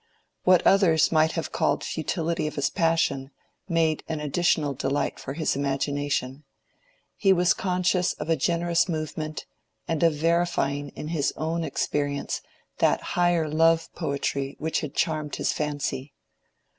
What others might have called the futility of his passion, made an additional delight for his imagination: he was conscious of a generous movement, and of verifying in his own experience that higher love poetry which had charmed his fancy.